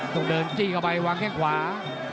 ต้องเดินจี้เข้าไปวางแข้งขวา